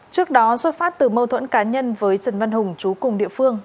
trước đó xuất phát từ mâu thuẫn cá nhân với trần văn hùng chú cùng địa phương